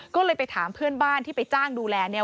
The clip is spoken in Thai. ก็เลยไปถามเพื่อนบ้านที่ไปจ้างดูแลเนี่ย